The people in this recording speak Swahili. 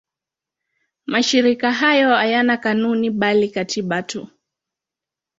Mashirika hayo hayana kanuni bali katiba tu.